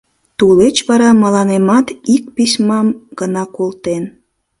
— Тулеч вара мыланемат ик письмам гына колтен.